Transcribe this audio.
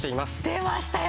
出ましたよ！